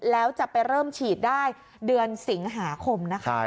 แล้วจะไปเริ่มฉีดได้เดือนสิงหาคมนะคะ